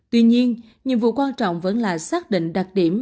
tuy nhiên nhiệm vụ quan trọng vẫn là xác định đặc điểm